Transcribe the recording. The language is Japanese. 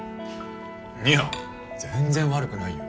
いや全然悪くないよ。